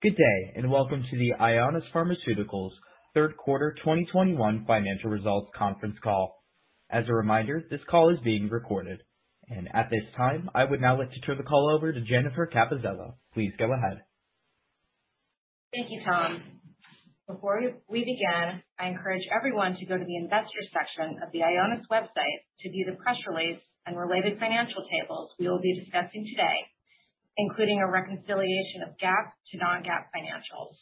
Good day, and welcome to the Ionis Pharmaceuticals third quarter 2021 financial results conference call. As a reminder, this call is being recorded. At this time, I would now like to turn the call over to Jennifer Capuzelo. Please go ahead. Thank you, Tom. Before we begin, I encourage everyone to go to the Investors section of the Ionis website to view the press release and related financial tables we will be discussing today, including a reconciliation of GAAP to non-GAAP financials.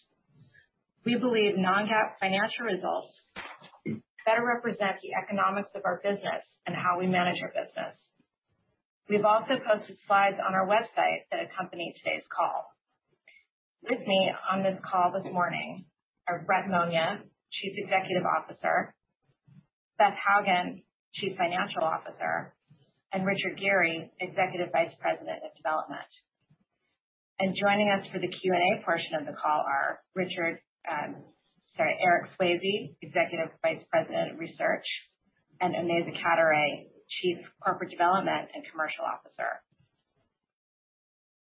We believe non-GAAP financial results better represent the economics of our business and how we manage our business. We've also posted slides on our website that accompany today's call. With me on this call this morning are Brett Monia, Chief Executive Officer, Beth Hougen, Chief Financial Officer, and Richard Geary, Executive Vice President of Development. Joining us for the Q&A portion of the call are Eric Swayze, Executive Vice President of Research, and Onaiza Cadoret-Manier, Chief Corporate Development and Commercial Officer.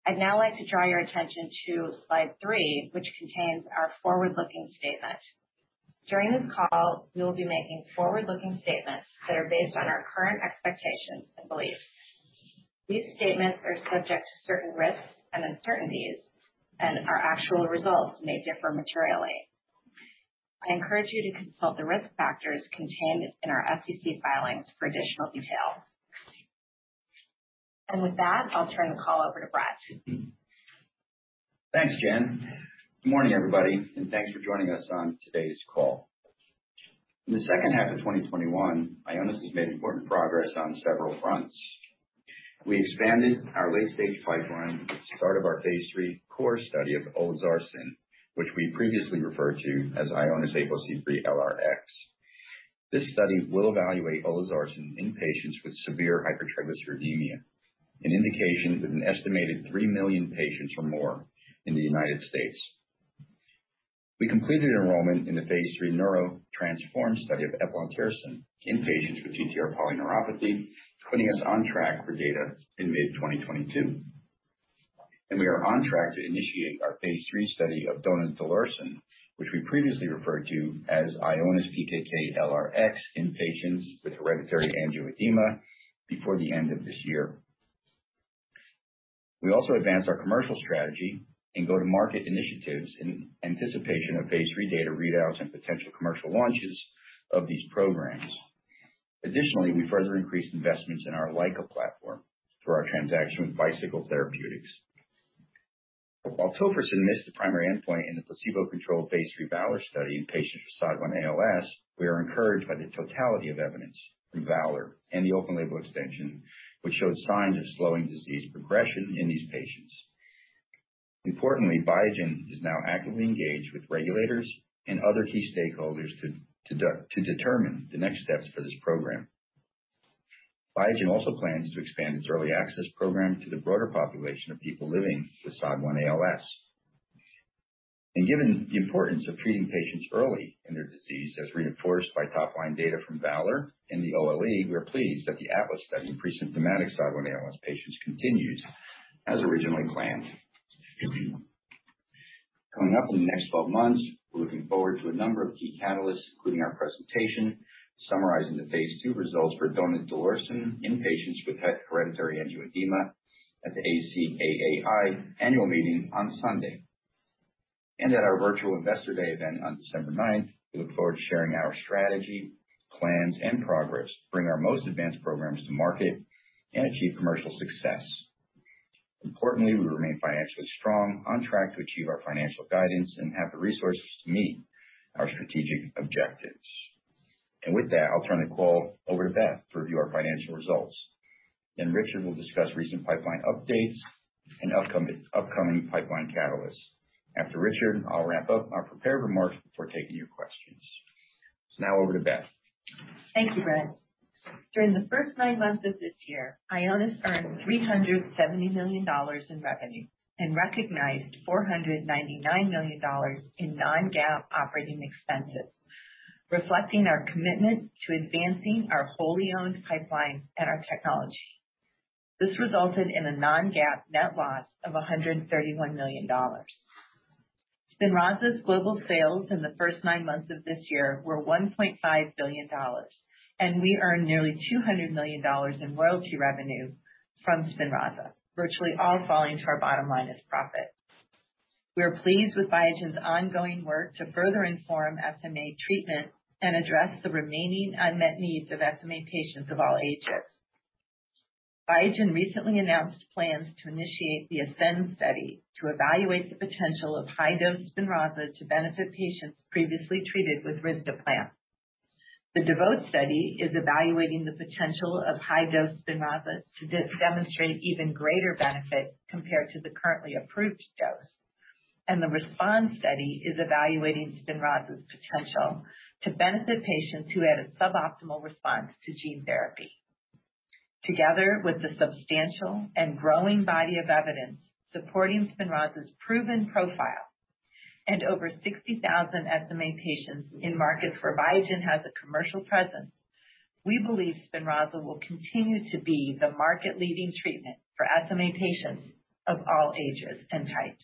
I'd now like to draw your attention to slide three, which contains our forward-looking statement. During this call, we will be making forward-looking statements that are based on our current expectations and beliefs. These statements are subject to certain risks and uncertainties, and our actual results may differ materially. I encourage you to consult the risk factors contained in our SEC filings for additional detail. With that, I'll turn the call over to Brett. Thanks, Jen. Good morning, everybody, and thanks for joining us on today's call. In the second half of 2021, Ionis has made important progress on several fronts. We expanded our late-stage pipeline with the start of our phase III CORE study of olezarsen, which we previously referred to as IONIS-APOCIII-LRx. This study will evaluate olezarsen in patients with severe hypertriglyceridemia, an indication of an estimated 3 million patients or more in the United States. We completed enrollment in the phase III NEURO-TTRansform study of eplontersen in patients with TTR polyneuropathy, putting us on track for data in May 2022. We are on track to initiate our phase III study of donidalorsen, which we previously referred to as IONIS-PKK-LRx, in patients with hereditary angioedema before the end of this year. We also advanced our commercial strategy and go-to-market initiatives in anticipation of phase III data readouts and potential commercial launches of these programs. Additionally, we further increased investments in our LICA platform through our transaction with Bicycle Therapeutics. While tofersen missed the primary endpoint in the placebo-controlled phase III VALOR study in patients with SOD1 ALS, we are encouraged by the totality of evidence in VALOR and the open-label extension, which showed signs of slowing disease progression in these patients. Importantly, Biogen is now actively engaged with regulators and other key stakeholders to determine the next steps for this program. Biogen also plans to expand its early access program to the broader population of people living with SOD1 ALS. Given the importance of treating patients early in their disease, as reinforced by top-line data from VALOR and the OLE, we are pleased that the ATLAS study in pre-symptomatic SOD1-ALS patients continues as originally planned. Coming up in the next 12 months, we're looking forward to a number of key catalysts, including our presentation summarizing the phase II results for donidalorsen in patients with hereditary angioedema at the ACAAI annual meeting on Sunday. At our virtual Investor Day event on December ninth, we look forward to sharing our strategy, plans, and progress to bring our most advanced programs to market and achieve commercial success. Importantly, we remain financially strong, on track to achieve our financial guidance and have the resources to meet our strategic objectives. With that, I'll turn the call over to Beth to review our financial results. Richard will discuss recent pipeline updates and upcoming pipeline catalysts. After Richard, I'll wrap up our prepared remarks before taking your questions. Now over to Beth. Thank you, Brett. During the first nine months of this year, Ionis earned $370 million in revenue and recognized $499 million in non-GAAP operating expenses, reflecting our commitment to advancing our wholly owned pipeline and our technology. This resulted in a non-GAAP net loss of $131 million. SPINRAZA's global sales in the first nine months of this year were $1.5 billion, and we earned nearly $200 million in royalty revenue from SPINRAZA, virtually all falling to our bottom line as profit. We are pleased with Biogen's ongoing work to further inform SMA treatment and address the remaining unmet needs of SMA patients of all ages. Biogen recently announced plans to initiate the ASCEND study to evaluate the potential of high-dose SPINRAZA to benefit patients previously treated with risdiplam. The DEVOTE study is evaluating the potential of high-dose Spinraza to demonstrate even greater benefit compared to the currently approved dose. The RESPOND study is evaluating Spinraza's potential to benefit patients who had a suboptimal response to gene therapy. Together with the substantial and growing body of evidence supporting Spinraza's proven profile and over 60,000 SMA patients in markets where Biogen has a commercial presence. We believe Spinraza will continue to be the market-leading treatment for SMA patients of all ages and types.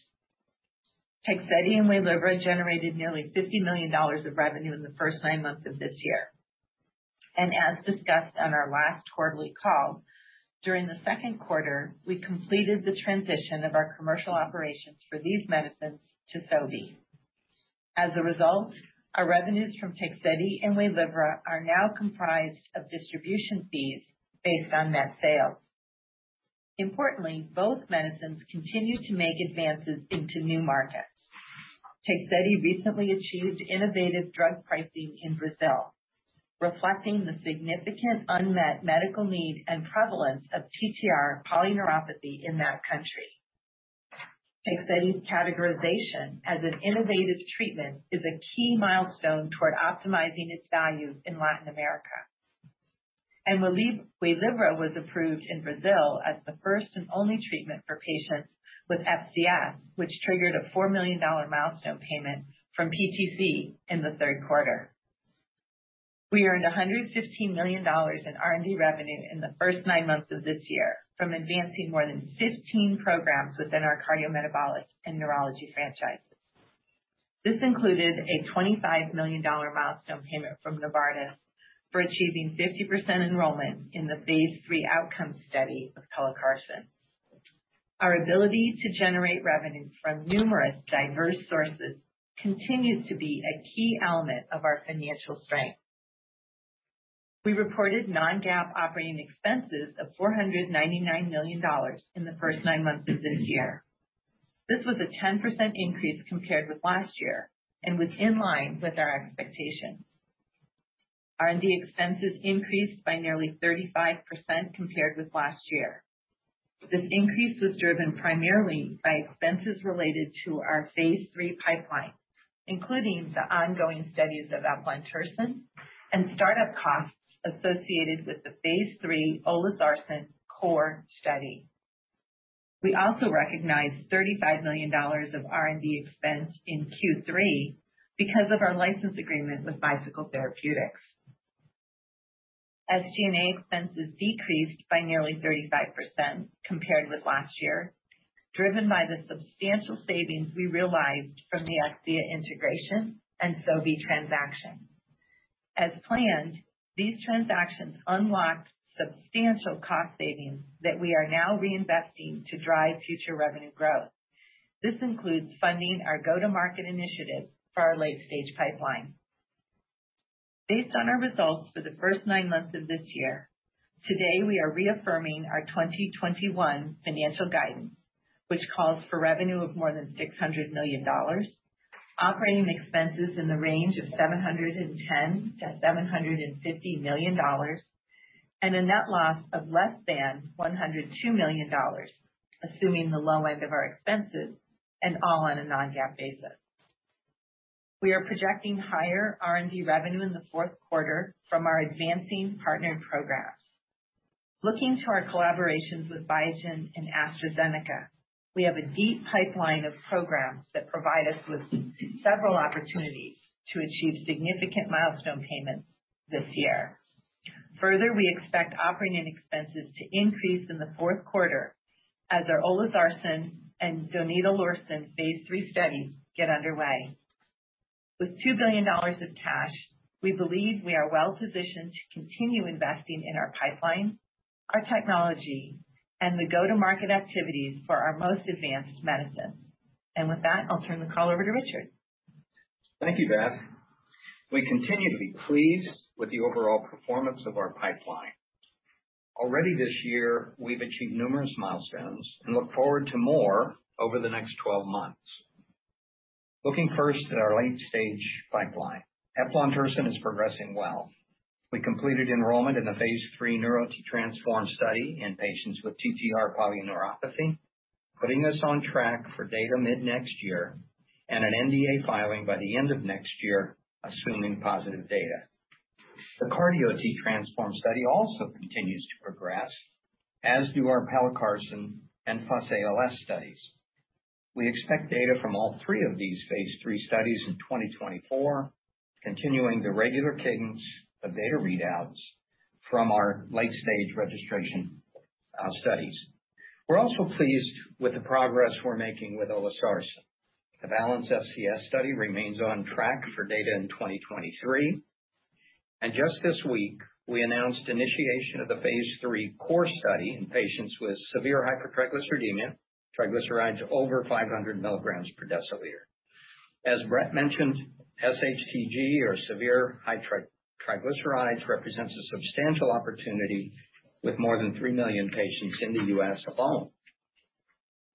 Tegsedi and Waylivra generated nearly $50 million of revenue in the first nine months of this year. As discussed on our last quarterly call, during the second quarter, we completed the transition of our commercial operations for these medicines to Sobi. As a result, our revenues from Tegsedi and Waylivra are now comprised of distribution fees based on net sales. Importantly, both medicines continue to make advances into new markets. Tegsedi recently achieved innovative drug pricing in Brazil, reflecting the significant unmet medical need and prevalence of TTR polyneuropathy in that country. Tegsedi's categorization as an innovative treatment is a key milestone toward optimizing its value in Latin America. Waylivra was approved in Brazil as the first and only treatment for patients with FCS, which triggered a $4 million milestone payment from PTC in the third quarter. We earned $115 million in R&D revenue in the first nine months of this year from advancing more than 15 programs within our cardiometabolic and neurology franchises. This included a $25 million milestone payment from Novartis for achieving 50% enrollment in the phase III outcome study of pelacarsen. Our ability to generate revenue from numerous diverse sources continues to be a key element of our financial strength. We reported non-GAAP operating expenses of $499 million in the first nine months of this year. This was a 10% increase compared with last year and was in line with our expectations. R&D expenses increased by nearly 35% compared with last year. This increase was driven primarily by expenses related to our phase III pipeline, including the ongoing studies of eplontersen and start-up costs associated with the phase III olezarsen CORE study. We also recognized $35 million of R&D expense in Q3 because of our license agreement with Bicycle Therapeutics. SG&A expenses decreased by nearly 35% compared with last year, driven by the substantial savings we realized from the Akcea integration and Sobi transaction. As planned, these transactions unlocked substantial cost savings that we are now reinvesting to drive future revenue growth. This includes funding our go-to-market initiatives for our late-stage pipeline. Based on our results for the first nine months of this year, today we are reaffirming our 2021 financial guidance, which calls for revenue of more than $600 million, operating expenses in the range of $710 million-$750 million, and a net loss of less than $102 million, assuming the low end of our expenses, and all on a non-GAAP basis. We are projecting higher R&D revenue in the fourth quarter from our advancing partner programs. Looking to our collaborations with Biogen and AstraZeneca, we have a deep pipeline of programs that provide us with several opportunities to achieve significant milestone payments this year. Further, we expect operating expenses to increase in the fourth quarter as our olezarsen and donidalorsen phase III studies get underway. With $2 billion of cash, we believe we are well-positioned to continue investing in our pipeline, our technology, and the go-to-market activities for our most advanced medicines. With that, I'll turn the call over to Richard. Thank you, Beth. We continue to be pleased with the overall performance of our pipeline. Already this year, we've achieved numerous milestones and look forward to more over the next 12 months. Looking first at our late-stage pipeline. Eplontersen is progressing well. We completed enrollment in the phase III NEURO-TTRansform study in patients with TTR polyneuropathy, putting us on track for data mid-next year and an NDA filing by the end of next year, assuming positive data. The CARDIO-TTRansform study also continues to progress, as do our pelacarsen and FUS-ALS studies. We expect data from all three of these phase III studies in 2024, continuing the regular cadence of data readouts from our late-stage registration studies. We're also pleased with the progress we're making with olezarsen. The Balance-FCS study remains on track for data in 2023. Just this week, we announced initiation of the phase III CORE study in patients with severe hypertriglyceridemia, triglycerides over 500 mg per deciliter. As Brett mentioned, SHTG or severe high triglycerides represents a substantial opportunity with more than 3 million patients in the U.S. alone.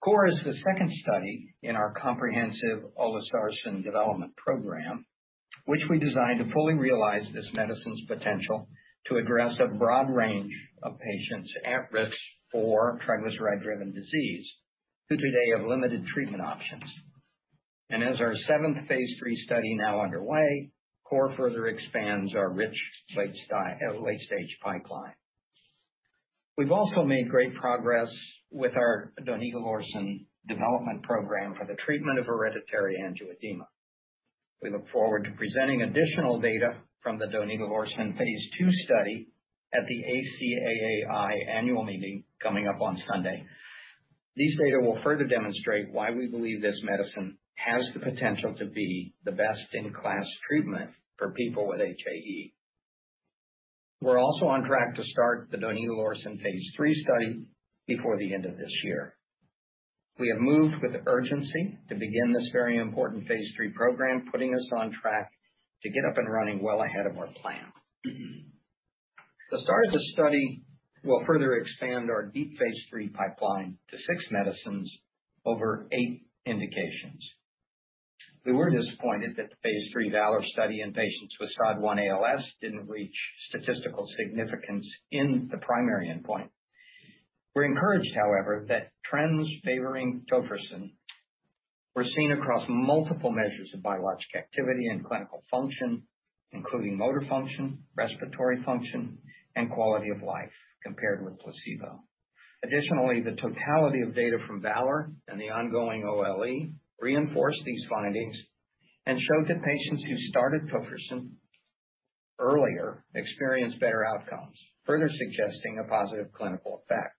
CORE is the second study in our comprehensive olezarsen development program, which we designed to fully realize this medicine's potential to address a broad range of patients at risk for triglyceride-driven disease who today have limited treatment options. As our seventh phase III study now underway, CORE further expands our rich late-stage pipeline. We've also made great progress with our donidalorsen development program for the treatment of hereditary angioedema. We look forward to presenting additional data from the donidalorsen phase II study at the ACAAI annual meeting coming up on Sunday. These data will further demonstrate why we believe this medicine has the potential to be the best-in-class treatment for people with HAE. We're also on track to start the donidalorsen phase III study before the end of this year. We have moved with urgency to begin this very important phase III program, putting us on track to get up and running well ahead of our plan. The start of the study will further expand our deep phase III pipeline to six medicines over eight indications. We were disappointed that the phase III VALOR study in patients with SOD1-ALS didn't reach statistical significance in the primary endpoint. We're encouraged, however, that trends favoring tofersen were seen across multiple measures of biological activity and clinical function, including motor function, respiratory function, and quality of life compared with placebo. Additionally, the totality of data from VALOR and the ongoing OLE reinforced these findings and showed that patients who started tofersen earlier experienced better outcomes, further suggesting a positive clinical effect.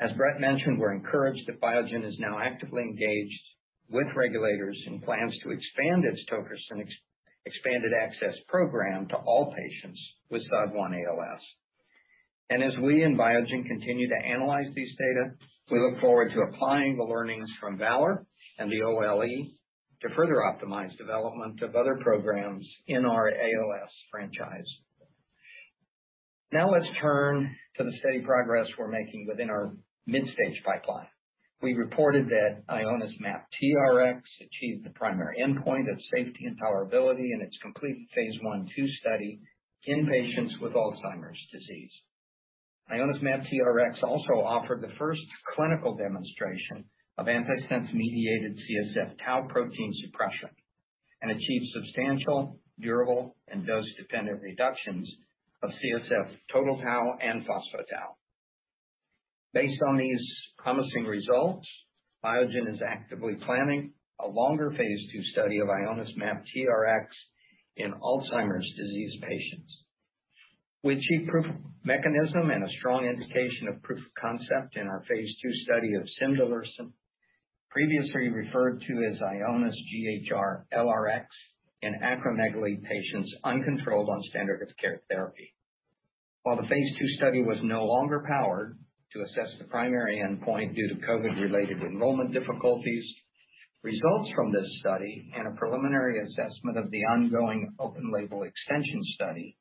As Brett mentioned, we're encouraged that Biogen is now actively engaged with regulators and plans to expand its tofersen ex-expanded access program to all patients with SOD1 ALS. As we and Biogen continue to analyze these data, we look forward to applying the learnings from VALOR and the OLE to further optimize development of other programs in our ALS franchise. Now let's turn to the steady progress we're making within our mid-stage pipeline. We reported that IONIS-MAPTRx achieved the primary endpoint of safety and tolerability in its complete phase I/II study in patients with Alzheimer's disease. IONIS-MAPTRx also offered the first clinical demonstration of antisense-mediated CSF tau protein suppression and achieved substantial, durable, and dose-dependent reductions of CSF total tau and phospho-tau. Based on these promising results, Biogen is actively planning a longer phase II study of IONIS-MAPTRx in Alzheimer's disease patients. We achieved proof of mechanism and a strong indication of proof of concept in our phase II study of cimdelirsen, previously referred to as IONIS-GHR-LRx, in acromegaly patients uncontrolled on standard of care therapy. While the phase II study was no longer powered to assess the primary endpoint due to COVID-related enrollment difficulties, results from this study and a preliminary assessment of the ongoing open label extension study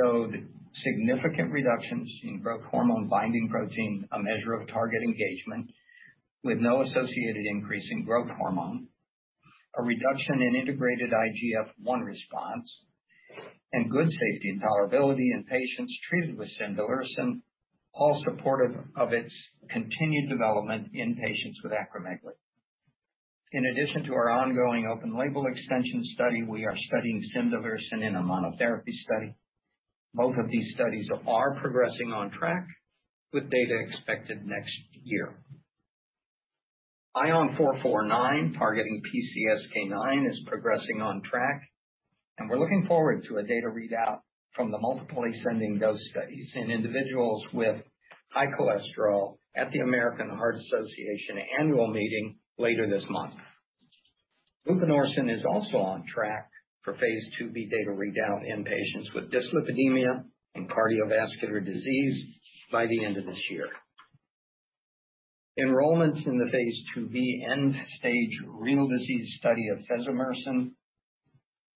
showed significant reductions in growth hormone binding protein, a measure of target engagement with no associated increase in growth hormone, a reduction in integrated IGF-I response, and good safety and tolerability in patients treated with cimdelirsen, all supportive of its continued development in patients with acromegaly. In addition to our ongoing open label extension study, we are studying cimdelirsen in a monotherapy study. Both of these studies are progressing on track with data expected next year. ION449, targeting PCSK9, is progressing on track, and we're looking forward to a data readout from the multiple ascending dose studies in individuals with high cholesterol at the American Heart Association annual meeting later this month. Vupanorsen is also on track for phase IIb data readout in patients with dyslipidemia and cardiovascular disease by the end of this year. Enrollment in the phase IIb end-stage renal disease study of fesomersen,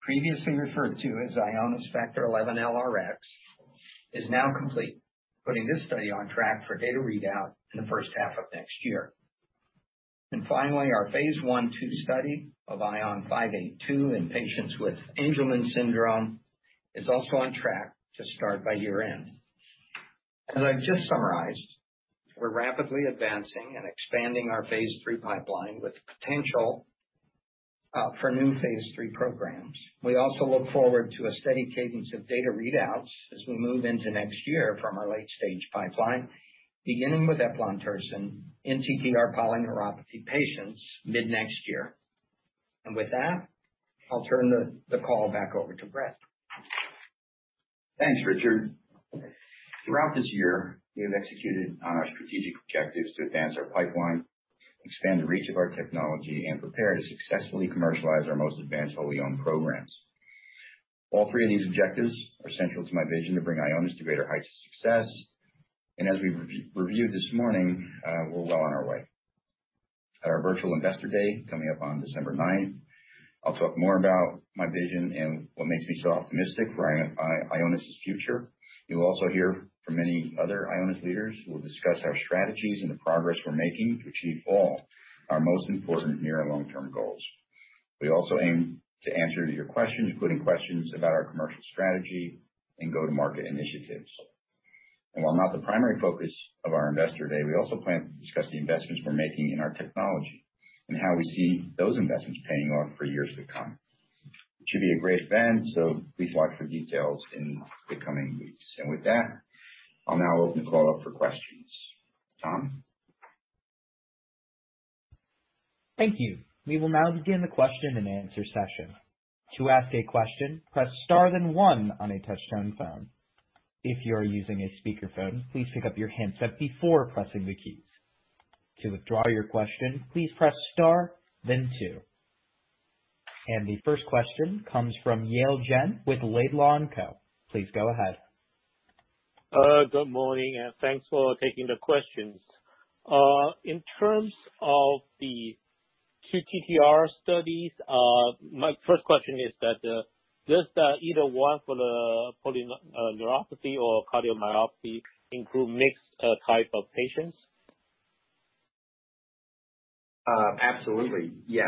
previously referred to as IONIS-FXI-LRx, is now complete, putting this study on track for data readout in the first half of next year. Finally, our phase I/II study of ION582 in patients with Angelman syndrome is also on track to start by year-end. As I've just summarized, we're rapidly advancing and expanding our phase III pipeline with the potential for new phase III programs. We also look forward to a steady cadence of data readouts as we move into next year from our late-stage pipeline, beginning with eplontersen in TTR polyneuropathy patients mid-next year. With that, I'll turn the call back over to Brett. Thanks, Richard. Throughout this year, we have executed on our strategic objectives to advance our pipeline, expand the reach of our technology, and prepare to successfully commercialize our most advanced wholly-owned programs. All three of these objectives are central to my vision to bring Ionis to greater heights of success. As we reviewed this morning, we're well on our way. At our virtual Investor Day, coming up on December ninth, I'll talk more about my vision and what makes me so optimistic for Ionis' future. You'll also hear from many other Ionis leaders who will discuss our strategies and the progress we're making to achieve all our most important near and long-term goals. We also aim to answer your questions, including questions about our commercial strategy and go-to-market initiatives. While not the primary focus of our Investor Day, we also plan to discuss the investments we're making in our technology and how we see those investments paying off for years to come. It should be a great event, so please watch for details in the coming weeks. With that, I'll now open the call up for questions. Tom? Thank you. We will now begin the question and answer session. To ask a question, press star then one on a touch-tone phone. If you are using a speaker phone, please pick up your handset before pressing the keys. To withdraw your question, please press star then two. The first question comes from Yale Jen with Laidlaw & Co. Please go ahead. Good morning and thanks for taking the questions. In terms of the TTR studies, my first question is that, does either one for the polyneuropathy or cardiomyopathy include mixed type of patients? Absolutely, yes.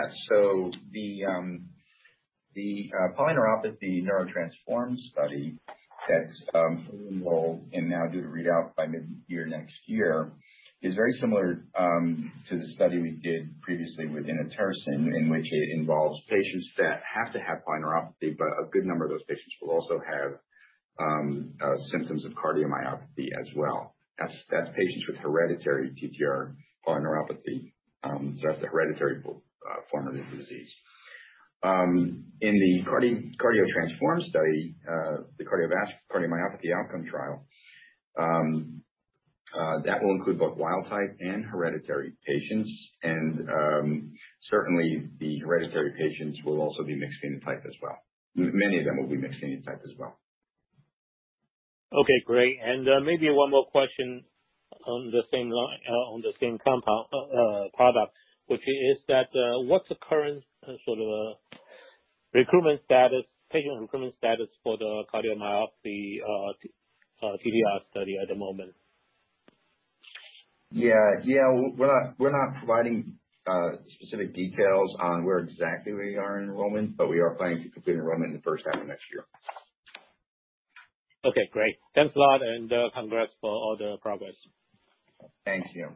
The polyneuropathy NEURO-TTRansform study that's fully enrolled and now due to read out by mid-year next year is very similar to the study we did previously with inotersen, in which it involves patients that have to have polyneuropathy, but a good number of those patients will also have symptoms of cardiomyopathy as well. That's patients with hereditary TTR polyneuropathy, so that's the hereditary form of the disease. In the CARDIO-TTRansform study, the cardiovascular cardiomyopathy outcome trial, that will include both wild type and hereditary patients. Certainly the hereditary patients will also be mixed phenotype as well. Many of them will be mixed phenotype as well. Okay, great. Maybe one more question on the same line, on the same product, what's the current sort of recruitment status, patient recruitment status for the cardiomyopathy TTR study at the moment? Yeah, we're not providing specific details on where exactly we are in enrollment, but we are planning to complete enrollment in the first half of next year. Okay, great. Thanks a lot and congrats for all the progress. Thank you.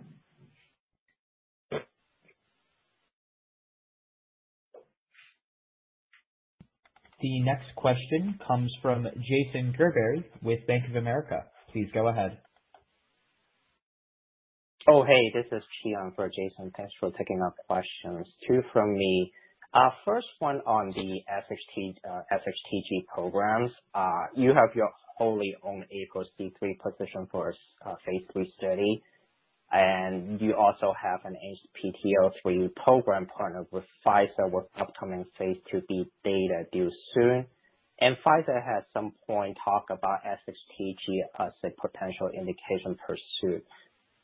The next question comes from Jason Gerberry with Bank of America. Please go ahead. Oh, hey, this is Jian for Jason. Thanks for taking our questions. Two from me. First one on the SHTG programs. You have your wholly owned APOC3 position for a phase III study. You also have an HTT03 program partner with Pfizer with upcoming phase IIb data due soon. Pfizer has somewhat talked about SHTG as a potential indication pursuit.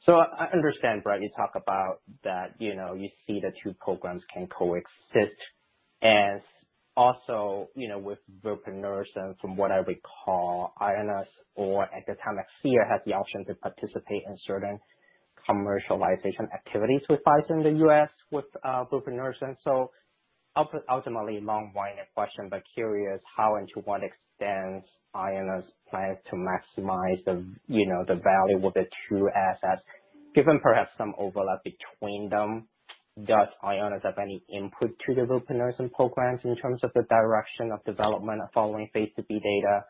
I understand, Brett, you talk about that, you know, you see the two programs can coexist. Also, you know, with vupanorsen and from what I recall, Ionis or at the time, Akcea had the option to participate in certain commercialization activities with Pfizer in the U.S. with vupanorsen. Ultimately long-winded question, but curious how and to what extent Ionis plans to maximize the, you know, the value of the two assets, given perhaps some overlap between them. Does Ionis have any input to the vupanorsen program in terms of the direction of development following phase IIb data?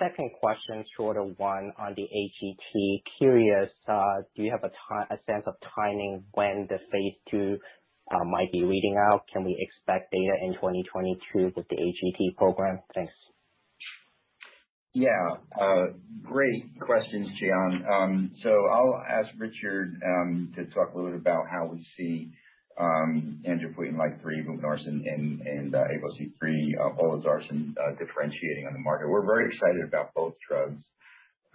Second question, shorter one on the AGT. Curious, do you have a sense of timing when the phase II might be reading out? Can we expect data in 2022 with the AGT program? Thanks. Yeah. Great questions, Jian. So I'll ask Richard to talk a little bit about how we see angiopoietin-like three vupanorsen and APOC3 olezarsen differentiating on the market. We're very excited about both drugs.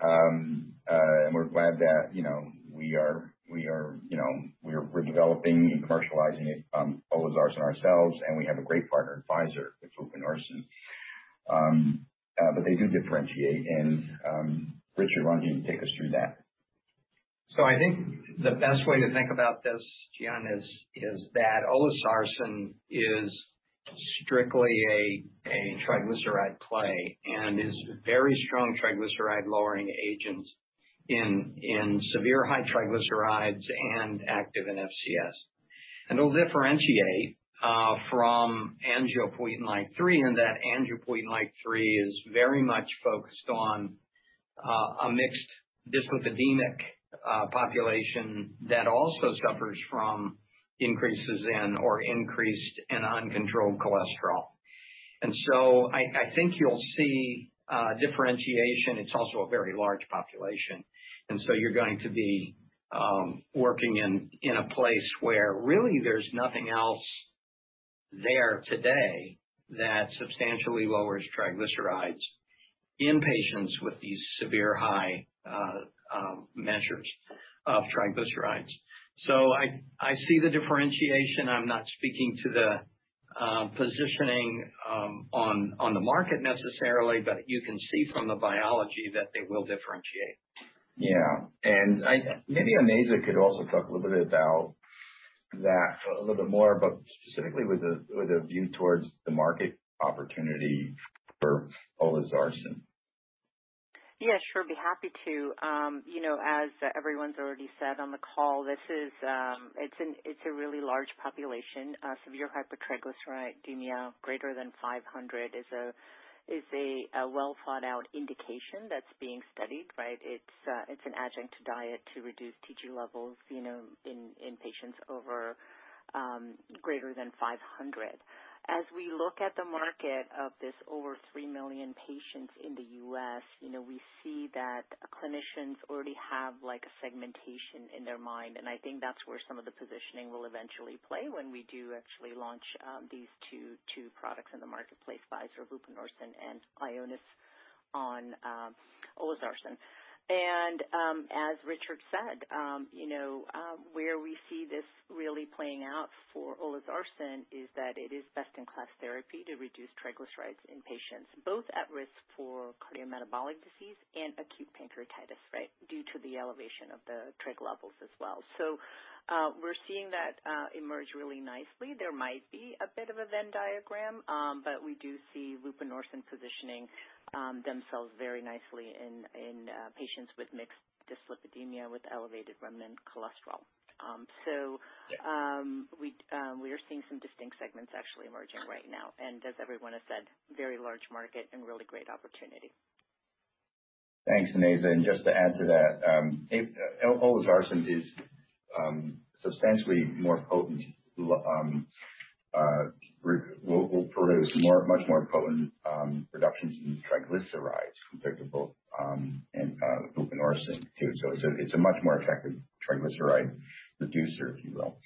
We're glad that, you know, we are developing and commercializing olezarsen ourselves, and we have a great partner at Pfizer with vupanorsen. But they do differentiate. Richard, why don't you take us through that? I think the best way to think about this, Jian, is that olezarsen is strictly a triglyceride play and is a very strong triglyceride lowering agent in severe high triglycerides and active FCS. It'll differentiate from angiopoietin-like three, in that angiopoietin-like three is very much focused on a mixed dyslipidemic population that also suffers from increased and uncontrolled cholesterol. I think you'll see differentiation. It's also a very large population. You're going to be working in a place where really there's nothing else there today that substantially lowers triglycerides in patients with these severe high measures of triglycerides. I see the differentiation. I'm not speaking to the positioning on the market necessarily, but you can see from the biology that they will differentiate. Yeah. I maybe Onaiza could also talk a little bit about that a little bit more, but specifically with a view towards the market opportunity for olezarsen. Yeah, sure. I'd be happy to. You know, as everyone's already said on the call, this is, it's a really large population, severe hypertriglyceridemia greater than 500 is a well thought out indication that's being studied, right? It's an adjunct to diet to reduce TG levels, you know, in patients over greater than 500. As we look at the market for this over 3 million patients in the U.S., you know, we see that clinicians already have like a segmentation in their mind, and I think that's where some of the positioning will eventually play when we do actually launch these two products in the marketplace, vupanorsen, vupanorsen and Ionis' own olezarsen. As Richard said, you know, where we see this really playing out for olezarsen is that it is best in class therapy to reduce triglycerides in patients, both at risk for cardiometabolic disease and acute pancreatitis, right? Due to the elevation of the trig levels as well. We're seeing that emerge really nicely. There might be a bit of a Venn diagram, but we do see vupanorsen positioning themselves very nicely in patients with mixed dyslipidemia with elevated remnant cholesterol. Yeah. We are seeing some distinct segments actually emerging right now. As everyone has said, very large market and really great opportunity. Thanks, Onaiza. Just to add to that, if olezarsen is substantially more potent, will produce much more potent reductions in triglycerides comparable to vupanorsen too. It's a much more effective triglyceride reducer, if you will.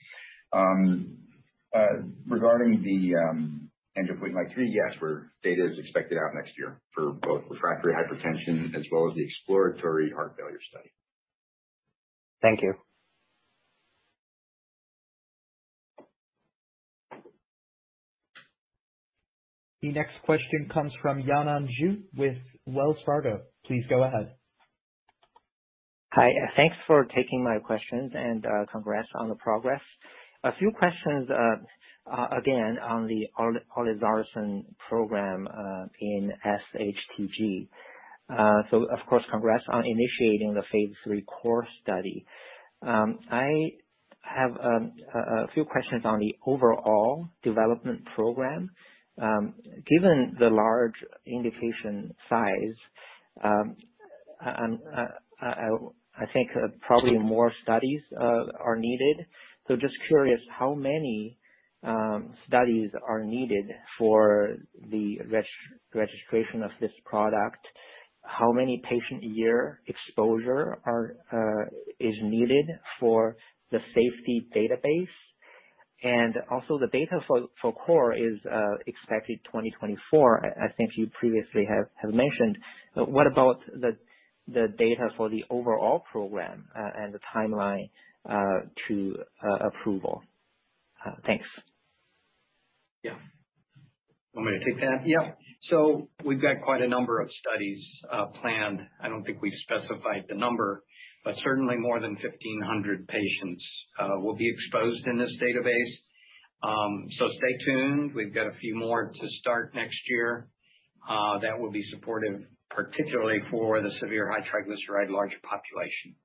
Regarding the endpoint, like three years where data is expected out next year for both refractory hypertension as well as the exploratory heart failure study. Thank you. The next question comes from Yanan Zhu with Wells Fargo. Please go ahead. Hi. Thanks for taking my questions, and congrats on the progress. A few questions again on the olezarsen program in SHTG. Of course, congrats on initiating the phase III CORE study. I have a few questions on the overall development program. Given the large indication size, and I think probably more studies are needed. Just curious, how many studies are needed for the registration of this product? How many patient-year exposures are needed for the safety database? Also, the data for CORE is expected 2024. I think you previously have mentioned. What about the data for the overall program, and the timeline to approval? Thanks. Yeah. You want me to take that? Yeah. We've got quite a number of studies planned. I don't think we've specified the number, but certainly more than 1,500 patients will be exposed in this database. Stay tuned. We've got a few more to start next year that will be supportive, particularly for the severe high triglyceride large population.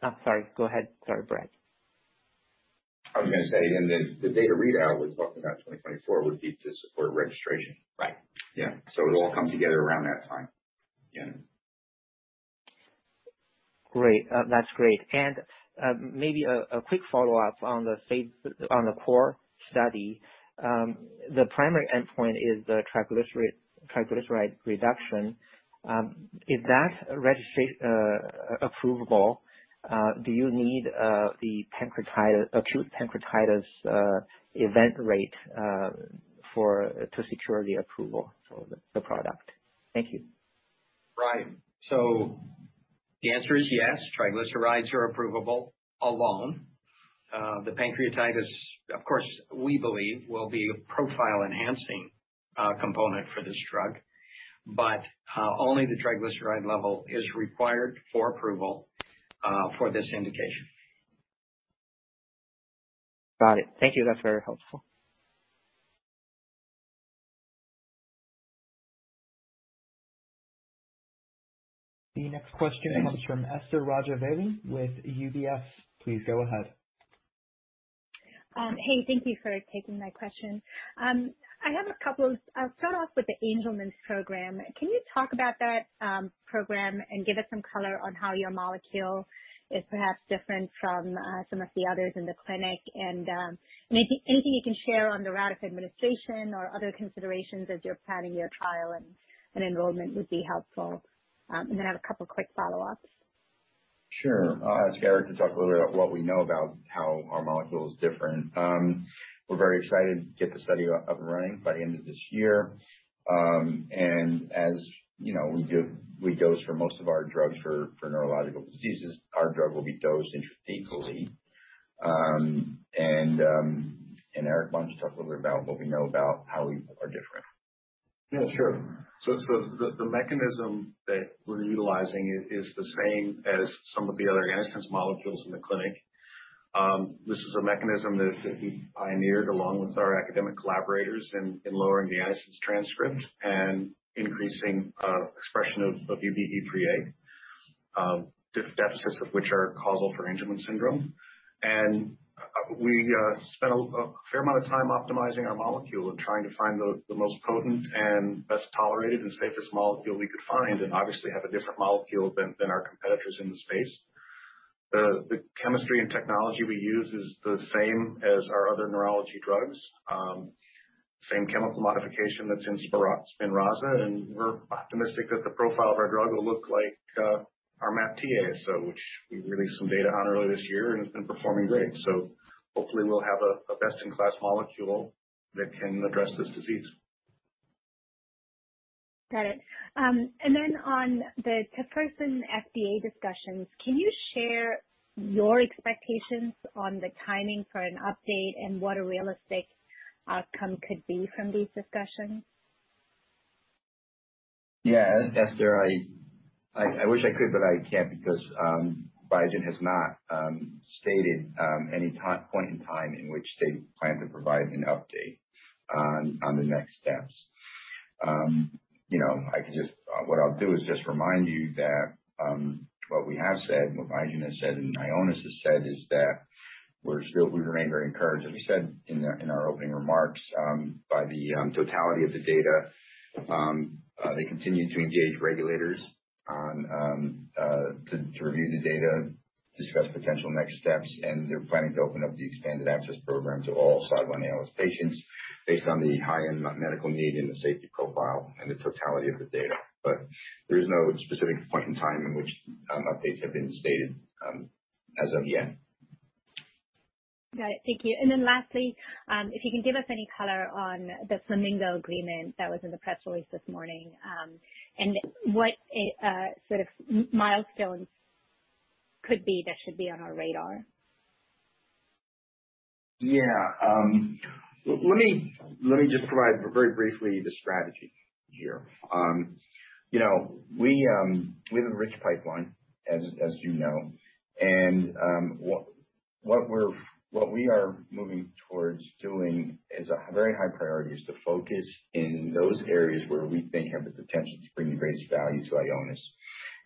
I'm sorry. Go ahead. Sorry, Brett. I was gonna say, and then the data readout we're talking about 2024 would be to support registration. Right. Yeah. It'll all come together around that time. Yeah. Great. That's great. Maybe a quick follow-up on the CORE study. The primary endpoint is the triglyceride reduction. If that approvable, do you need the acute pancreatitis event rate to secure the approval for the product? Thank you. Right. The answer is yes, triglycerides are approvable alone. The pancreatitis, of course, we believe will be a profile-enhancing component for this drug, but only the triglyceride level is required for approval for this indication. Got it. Thank you. That's very helpful. The next question comes from Esther Rajavelu with UBS. Please go ahead. Hey, thank you for taking my question. I have a couple. I'll start off with the Angelman’s program. Can you talk about that program and give us some color on how your molecule is perhaps different from some of the others in the clinic? If anything you can share on the route of administration or other considerations as you're planning your trial and enrollment would be helpful. Then I have a couple quick follow-ups. Sure. I asked Eric to talk a little bit about what we know about how our molecule is different. We're very excited to get the study up and running by the end of this year. As you know, we dose for most of our drugs for neurological diseases. Our drug will be dosed intrathecally. Eric, why don't you talk a little bit about what we know about how we are different. Yeah, sure. The mechanism that we're utilizing is the same as some of the other antisense molecules in the clinic. This is a mechanism that we pioneered along with our academic collaborators in lowering the antisense transcript and increasing expression of UBE3A, deficits of which are causal for Angelman syndrome. We spent a fair amount of time optimizing our molecule and trying to find the most potent and best tolerated and safest molecule we could find, and obviously have a different molecule than our competitors in the space. The chemistry and technology we use is the same as our other neurology drugs. Same chemical modification that's in SPINRAZA, and we're optimistic that the profile of our drug will look like IONIS-MAPTRx, which we released some data on early this year, and it's been performing great. Hopefully we'll have a best-in-class molecule that can address this disease. Got it. On the tofersen FDA discussions, can you share your expectations on the timing for an update and what a realistic outcome could be from these discussions? Yeah, Esther, I wish I could, but I can't because Biogen has not stated any point in time in which they plan to provide an update on the next steps. You know, what I'll do is just remind you that what we have said and what Biogen has said and Ionis has said is that we remain very encouraged, as we said in our opening remarks, by the totality of the data. They continue to engage regulators to review the data, discuss potential next steps, and they're planning to open up the expanded access program to all SOD1-ALS patients based on the high unmet medical need and the safety profile and the totality of the data. There is no specific point in time in which updates have been stated, as of yet. Got it. Thank you. Lastly, if you can give us any color on the Flamingo agreement that was in the press release this morning, and what sort of milestones could be that should be on our radar? Let me just provide very briefly the strategy here. You know, we have a rich pipeline as you know, and what we are moving towards doing is a very high priority is to focus in those areas where we think have the potential to bring the greatest value to Ionis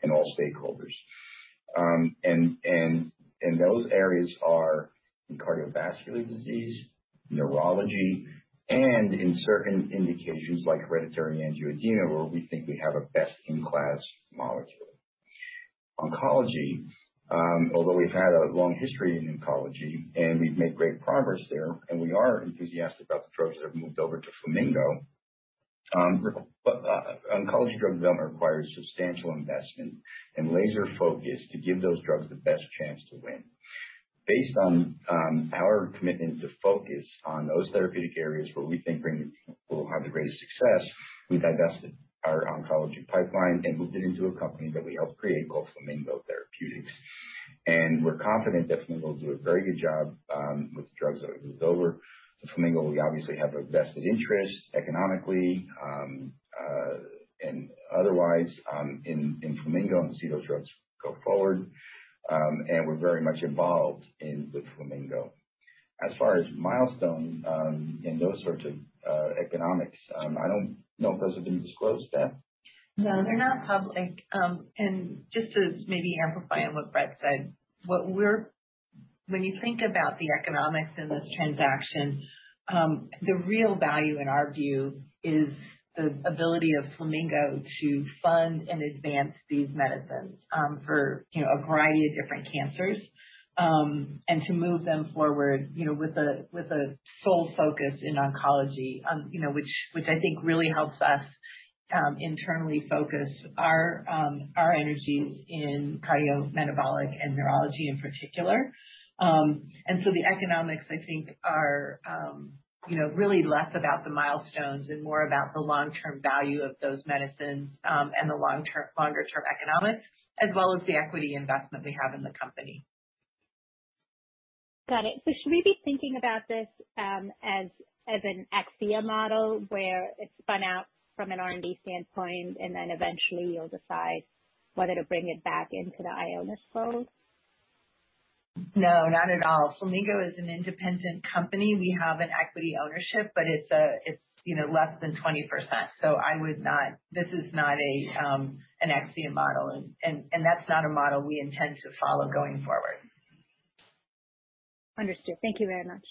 and all stakeholders. Those areas are in cardiovascular disease, neurology, and in certain indications like hereditary angioedema, where we think we have a best-in-class molecule. Oncology, although we've had a long history in oncology, and we've made great progress there, and we are enthusiastic about the drugs that have moved over to Flamingo. Oncology drug development requires substantial investment and laser focus to give those drugs the best chance to win. Based on our commitment to focus on those therapeutic areas where we think will have the greatest success, we divested our oncology pipeline and moved it into a company that we helped create called Flamingo Therapeutics. We're confident that Flamingo will do a very good job with the drugs that have moved over to Flamingo. We obviously have a vested interest economically and otherwise in Flamingo and see those drugs go forward. We're very much involved in the Flamingo. As far as milestones and those sorts of economics, I don't know if those have been disclosed, Jen. No, they're not public. Just to maybe amplify on what Brett said, when you think about the economics in this transaction, the real value in our view is the ability of Flamingo to fund and advance these medicines, for, you know, a variety of different cancers, and to move them forward, you know, with a sole focus in oncology. You know, which I think really helps us, internally focus our energies in cardiometabolic and neurology in particular. The economics, I think are, you know, really less about the milestones and more about the long-term value of those medicines, and the longer-term economics, as well as the equity investment we have in the company. Got it. Should we be thinking about this as an Akcea model where it's spun out from an R&D standpoint, and then eventually you'll decide whether to bring it back into the Ionis fold? No, not at all. Flamingo is an independent company. We have an equity ownership, but it's, you know, less than 20%. This is not an Akcea model. That's not a model we intend to follow going forward. Understood. Thank you very much.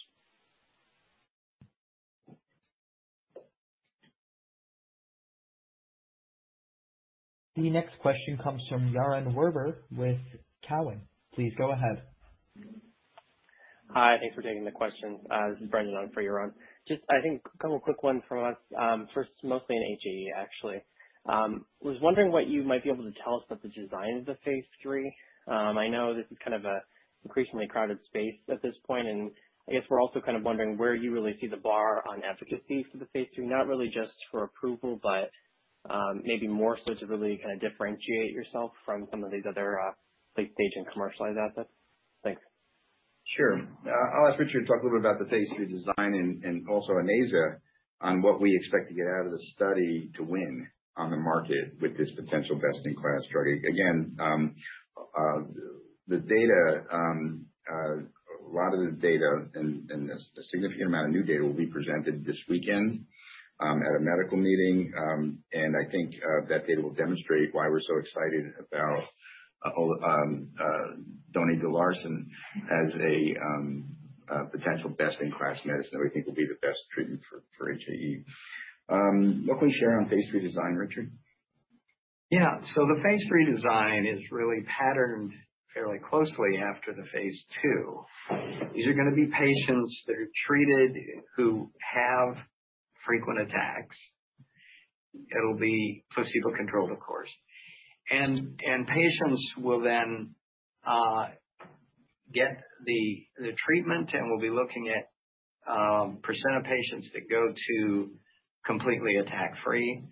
The next question comes from Yaron Werber with Cowen. Please go ahead. Hi. Thanks for taking the questions. This is Brendan on for Yaron. Just, I think a couple quick ones from us. First, mostly on HAE actually. I was wondering what you might be able to tell us about the design of the phase III. I know this is kind of an increasingly crowded space at this point, and I guess we're also kind of wondering where you really see the bar on efficacy for the phase III, not really just for approval, but maybe more so to really kind of differentiate yourself from some of these other late-stage and commercialized assets. Thanks. Sure. I'll ask Richard to talk a little bit about the phase III design and also Onaiza on what we expect to get out of the study to win on the market with this potential best in class drug. Again, the data, a lot of the data and the significant amount of new data will be presented this weekend at a medical meeting. I think that data will demonstrate why we're so excited about all the donidalorsen as a potential best in class medicine that we think will be the best treatment for HAE. What can we share on phase III design, Richard? Yeah. The phase III design is really patterned fairly closely after the phase II. These are gonna be patients that are treated who have frequent attacks. It'll be placebo-controlled, of course. Patients will then get the treatment, and we'll be looking at percent of patients that go to completely attack free.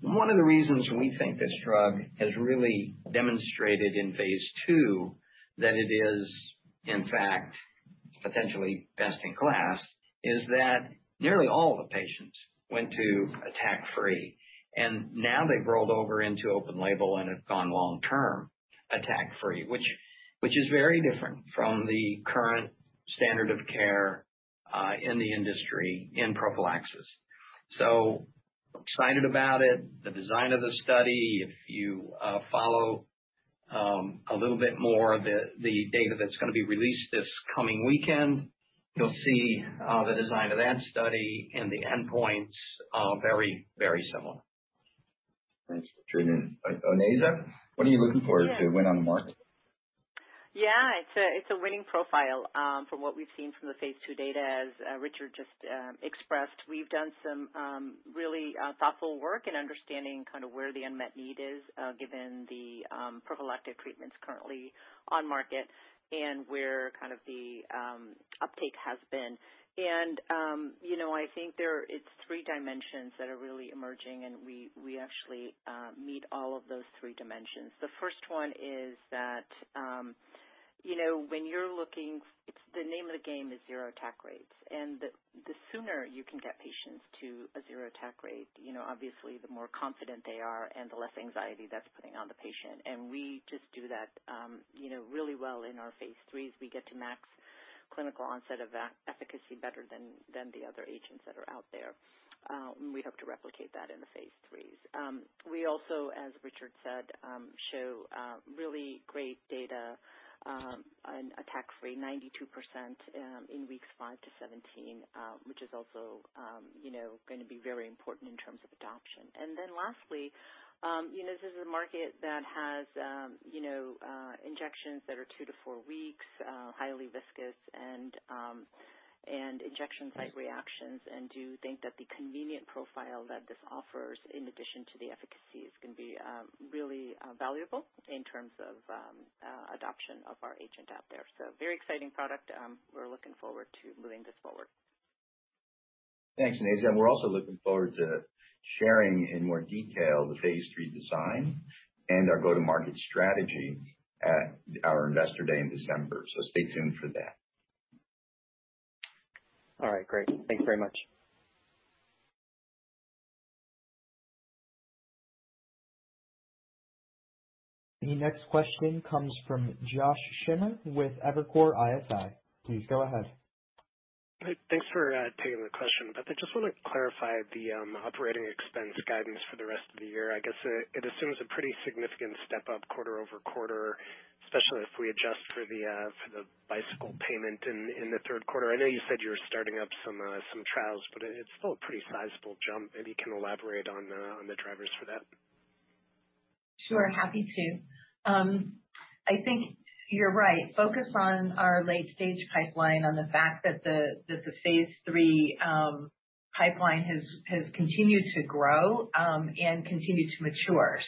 One of the reasons we think this drug has really demonstrated in phase II that it is in fact potentially best in class is that nearly all the patients went to attack free. Now they've rolled over into open label and have gone long term attack free, which is very different from the current standard of care in the industry in prophylaxis. Excited about it. The design of the study, if you follow a little bit more, the data that's gonna be released this coming weekend, you'll see the design of that study and the endpoints are very, very similar. Thanks, Richard. Onaiza, what are you looking for to win on the market? Yeah. It's a winning profile from what we've seen from the phase II data as Richard just expressed. We've done some really thoughtful work in understanding kind of where the unmet need is given the prophylactic treatments currently on market and where kind of the uptake has been. You know, I think there are three dimensions that are really emerging, and we actually meet all of those three dimensions. The first one is that, you know, when you're looking, it's the name of the game is zero attack rates. The sooner you can get patients to a zero attack rate, you know, obviously the more confident they are and the less anxiety that's putting on the patient. We just do that, you know, really well in our phase IIIs. We get to max clinical onset of that efficacy better than the other agents that are out there. We hope to replicate that in the phase IIIs. We also, as Richard said, show really great data on attack-free 92% in weeks five to 17, which is also, you know, gonna be very important in terms of adoption. Lastly, you know, this is a market that has, you know, injections that are two to four weeks, highly viscous and injection site reactions. I do think that the convenient profile that this offers in addition to the efficacy is gonna be really valuable in terms of adoption of our agent out there. Very exciting product. We're looking forward to moving this forward. Thanks, Onaiza. We're also looking forward to sharing in more detail the phase III design and our go-to-market strategy at our investor day in December. Stay tuned for that. All right. Great. Thanks very much. The next question comes from Josh Schimmer with Evercore ISI. Please go ahead. Thanks for taking the question, but I just wanna clarify the operating expense guidance for the rest of the year. I guess it assumes a pretty significant step up quarter-over-quarter, especially if we adjust for the Bicycle payment in the third quarter. I know you said you were starting up some trials, but it's still a pretty sizable jump if you can elaborate on the drivers for that. Sure. Happy to. I think you're right. Focus on our late-stage pipeline on the fact that that the phase III pipeline has continued to grow and continued to mature.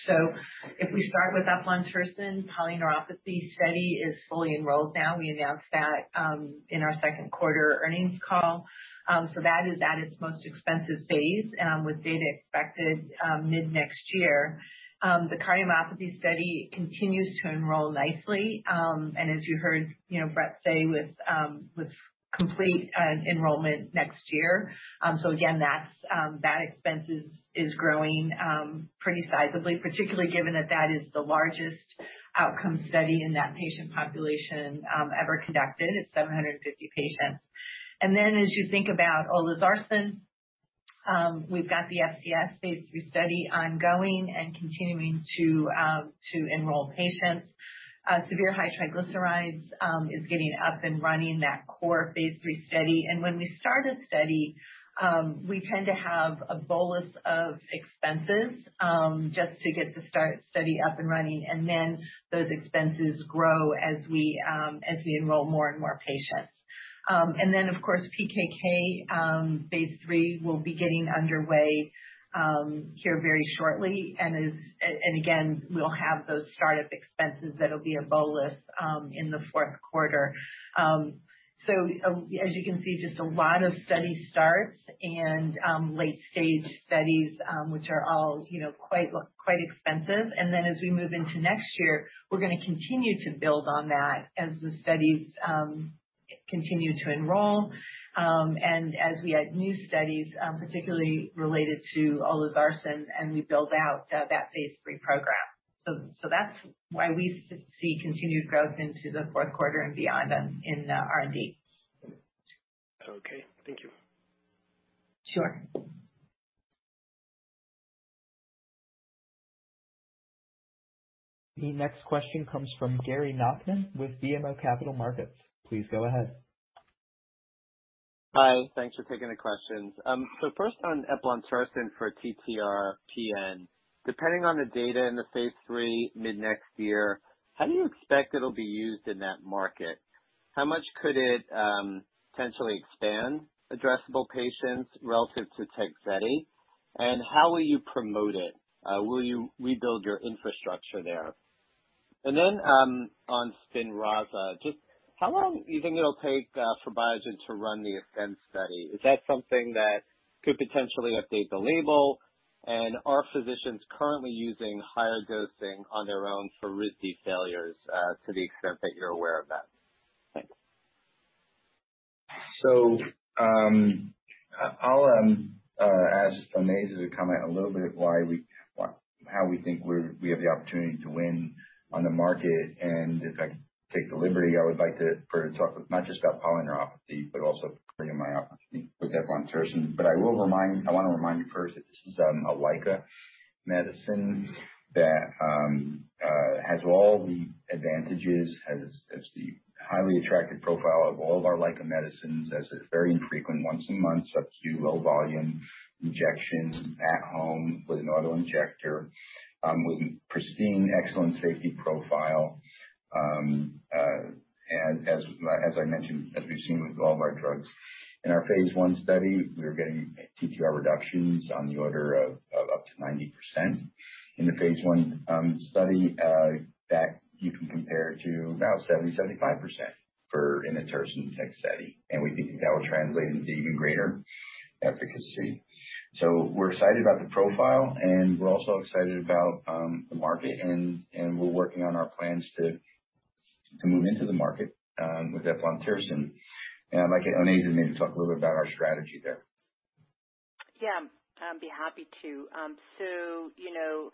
If we start with eplontersen, polyneuropathy study is fully enrolled now. We announced that in our second quarter earnings call. That is at its most expensive phase with data expected mid-next year. The cardiomyopathy study continues to enroll nicely and as you heard, you know, Brett say with complete enrollment next year. Again, that's that expense is growing pretty sizably, particularly given that that is the largest outcome study in that patient population ever conducted. It's 750 patients. As you think about olezarsen, we've got the FCS phase III study ongoing and continuing to enroll patients. Severe hypertriglyceridemia is getting up and running that CORE phase III study. When we start a study, we tend to have a bolus of expenses just to get the study up and running, and then those expenses grow as we enroll more and more patients. Of course, PKK phase III will be getting underway here very shortly. Again, we'll have those start-up expenses that'll be a bolus in the fourth quarter. As you can see, just a lot of study starts and late-stage studies, which are all, you know, quite expensive. As we move into next year, we're gonna continue to build on that as the studies continue to enroll, and as we add new studies, particularly related to olezarsen, and we build out that phase III program. That's why we see continued growth into the fourth quarter and beyond in R&D. Okay. Thank you. Sure. The next question comes from Gary Nachman with BMO Capital Markets. Please go ahead. Hi. Thanks for taking the questions. First on eplontersen for TTR PN. Depending on the data in the phase III mid-next year, how do you expect it'll be used in that market? How much could it potentially expand addressable patients relative to Tegsedi? And how will you promote it? Will you rebuild your infrastructure there? Then on SPINRAZA, just how long do you think it'll take for Biogen to run the ASCEND study? Is that something that could potentially update the label? And are physicians currently using higher dosing on their own for risdiplam failures, to the extent that you're aware of that? Thank you. I'll ask Onaiza to comment a little bit why we think we have the opportunity to win on the market. If I can take the liberty, I would like for her to talk not just about polyneuropathy, but also cardiomyopathy with eplontersen. I want to remind you first that this is a LICA medicine that has all the advantages, has the highly attractive profile of all of our LICA medicines as a very infrequent once-a-month low-volume subcutaneous injection at home with an auto-injector, with a pristine, excellent safety profile. As I mentioned, as we've seen with all of our drugs. In our phase I study, we are getting TTR reductions on the order of up to 90%. In the phase I study that you can compare to about 75% for inotersen and Tegsedi, and we think that will translate into even greater efficacy. We're excited about the profile, and we're also excited about the market and we're working on our plans to move into the market with eplontersen. I'd like Onaiza to maybe talk a little bit about our strategy there. Yeah. I'd be happy to. You know,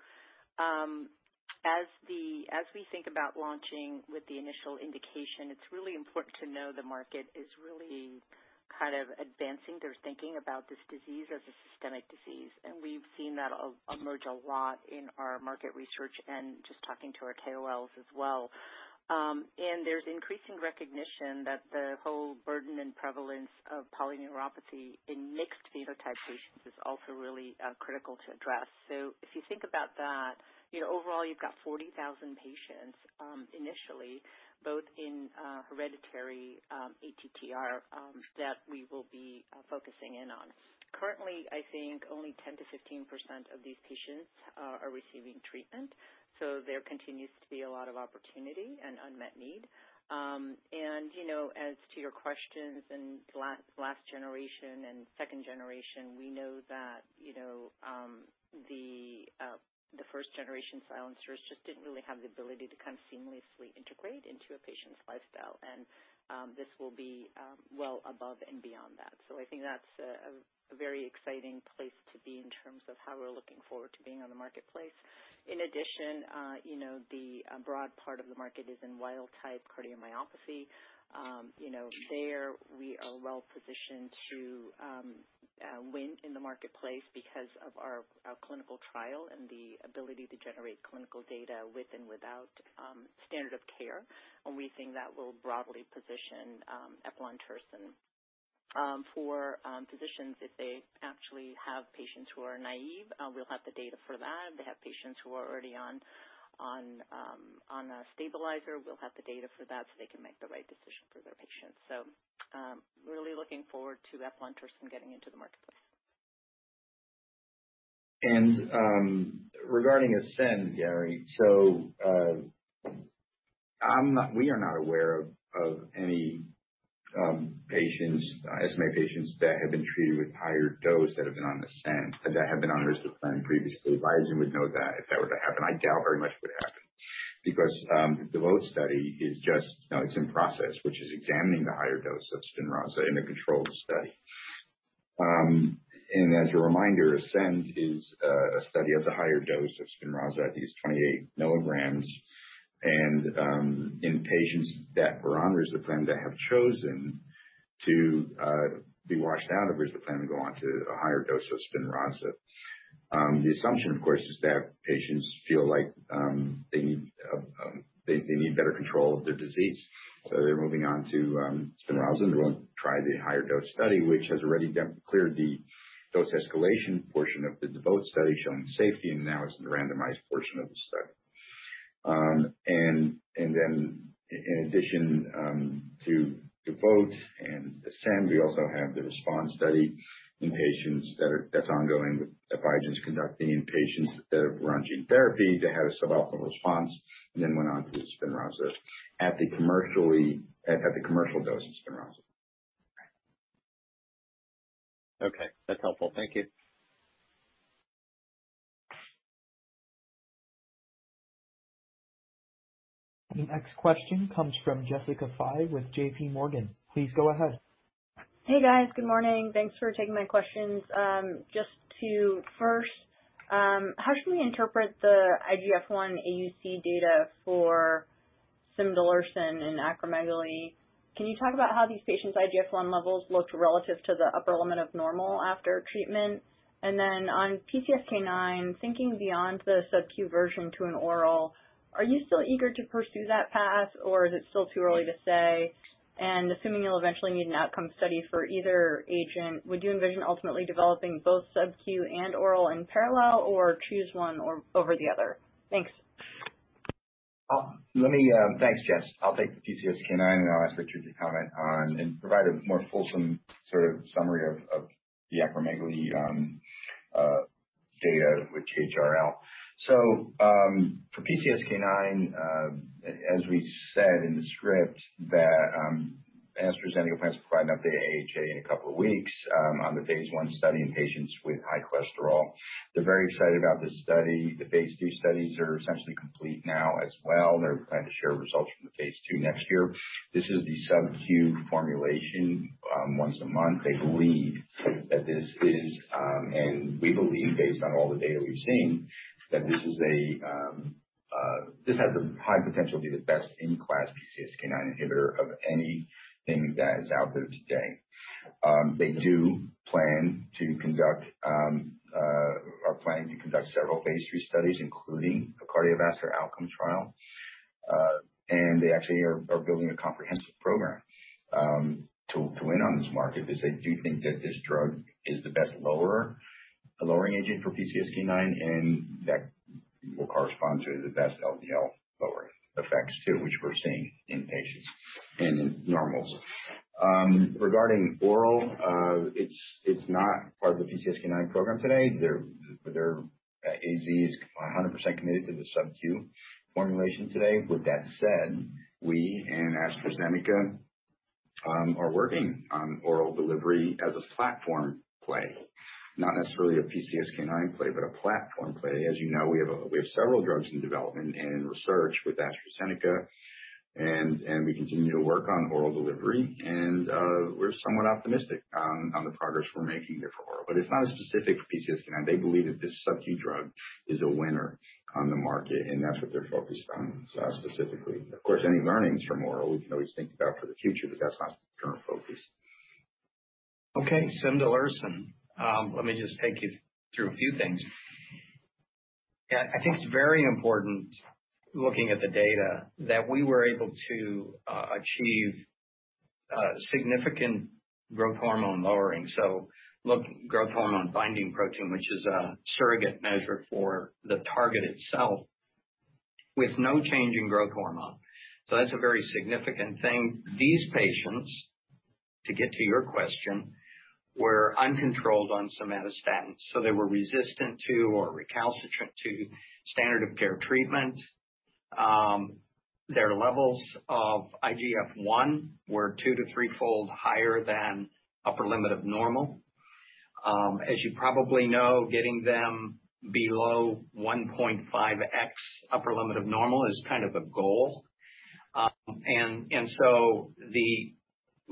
as we think about launching with the initial indication, it's really important to know the market is really kind of advancing their thinking about this disease as a systemic disease. We've seen that emerge a lot in our market research and just talking to our KOLs as well. There's increasing recognition that the whole burden and prevalence of polyneuropathy in mixed phenotype patients is also really critical to address. If you think about that, you know, overall, you've got 40,000 patients, initially, both in hereditary ATTR that we will be focusing in on. Currently, I think only 10%-15% of these patients are receiving treatment. There continues to be a lot of opportunity and unmet need. You know, as to your questions and last generation and second generation, we know that, you know, the first generation silencers just didn't really have the ability to kind of seamlessly integrate into a patient's lifestyle. This will be well above and beyond that. I think that's a very exciting place to be in terms of how we're looking forward to being on the marketplace. In addition, you know, the broad part of the market is in wild type cardiomyopathy. You know, there we are well positioned to win in the marketplace because of our clinical trial and the ability to generate clinical data with and without standard of care. We think that will broadly position eplontersen. For physicians, if they actually have patients who are naive, we'll have the data for that. If they have patients who are already on a stabilizer, we'll have the data for that so they can make the right decision for their patients. Really looking forward to eplontersen getting into the marketplace. Regarding ASCEND, Gary, we are not aware of any patients, SMA patients that have been treated with higher dose that have been on ASCEND, that have been on risdiplam previously. Biogen would know that if that were to happen. I doubt very much it would happen because the DEVOTE study is just it is in process which is examining the higher dose of SPINRAZA in a controlled study. As a reminder, ASCEND is a study of the higher dose of SPINRAZA at these 28 mg. In patients that were on risdiplam that have chosen to be washed out of risdiplam and go on to a higher dose of SPINRAZA. The assumption, of course, is that patients feel like they need better control of their disease. They're moving on to SPINRAZA, and they're going to try the higher dose study, which has already cleared the dose escalation portion of the DEVOTE study showing safety, and now it's in the randomized portion of the study. In addition to DEVOTE and ASCEND, we also have the RESPOND study in patients that's ongoing that Biogen's conducting in patients that were on gene therapy that had a suboptimal response and then went on to SPINRAZA at the commercial dose of SPINRAZA. Okay. That's helpful. Thank you. The next question comes from Jessica Fye with JPMorgan. Please go ahead. Hey, guys. Good morning. Thanks for taking my questions. Just to first, how should we interpret the IGF-I AUC data for cimdelirsen in acromegaly? Can you talk about how these patients' IGF-I levels looked relative to the upper limit of normal after treatment? And then on PCSK9, thinking beyond the subQ version to an oral, are you still eager to pursue that path, or is it still too early to say? And assuming you'll eventually need an outcome study for either agent, would you envision ultimately developing both subQ and oral in parallel or choose one or over the other? Thanks. Thanks, Jess. I'll take the PCSK9, and I'll ask Richard Geary to comment on and provide a more fulsome sort of summary of the acromegaly data with GHR. For PCSK9, as we said in the script that AstraZeneca plans to provide an update to AHA in a couple of weeks on the phase I study in patients with high cholesterol. They're very excited about this study. The phase II studies are essentially complete now as well. They plan to share results from the phase II next year. This is the subQ formulation once a month. They believe that this is, and we believe based on all the data we've seen, that this has a high potential to be the best-in-class PCSK9 inhibitor of anything that is out there today. They are planning to conduct several phase III studies, including a cardiovascular outcome trial. They actually are building a comprehensive program to win on this market because they do think that this drug is the best lowering agent for PCSK9, and that will correspond to the best LDL lowering effects too, which we're seeing in patients and in normals. Regarding oral, it's not part of the PCSK9 program today. AZ is 100% committed to the subQ formulation today. With that said, we and AstraZeneca are working on oral delivery as a platform play. Not necessarily a PCSK9 play, but a platform play. As you know, we have several drugs in development and in research with AstraZeneca and we continue to work on oral delivery and we're somewhat optimistic on the progress we're making there for oral. But it's not as specific for PCSK9. They believe that this subQ drug is a winner on the market, and that's what they're focused on specifically. Of course, any learnings from oral we can always think about for the future, but that's not current focus. Okay. Cimdelirsen. Let me just take you through a few things. Yeah, I think it's very important, looking at the data, that we were able to achieve significant growth hormone lowering. Look at growth hormone binding protein, which is a surrogate measure for the target itself with no change in growth hormone. That's a very significant thing. These patients, to get to your question, were uncontrolled on somatostatin. They were resistant to or recalcitrant to standard of care treatment. Their levels of IGF-I were two- to three-fold higher than upper limit of normal. As you probably know, getting them below 1.5x upper limit of normal is kind of a goal.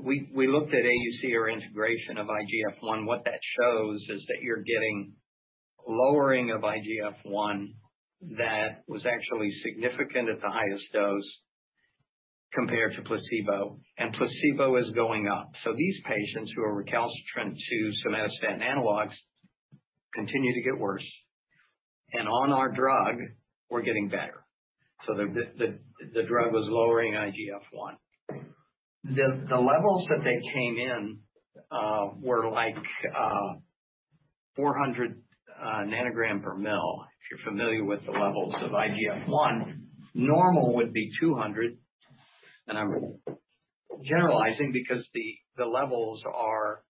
We looked at AUC or integration of IGF-I. What that shows is that you're getting lowering of IGF-I that was actually significant at the highest dose compared to placebo, and placebo is going up. These patients who are recalcitrant to somatostatin analogs continue to get worse. On our drug were getting better. The drug was lowering IGF-I. The levels that they came in were like 400 nanogram per mil. If you're familiar with the levels of IGF-I, normal would be 200. I'm generalizing because the levels are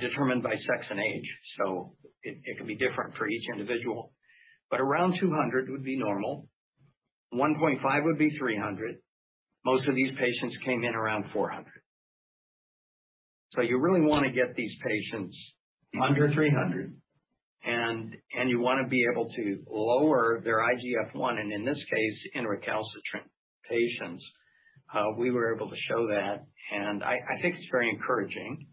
determined by sex and age, so it can be different for each individual. Around 200 would be normal. One point five would be 300. Most of these patients came in around 400. You really wanna get these patients under 300, and you wanna be able to lower their IGF-I, and in this case, in recalcitrant patients, we were able to show that. I think it's very encouraging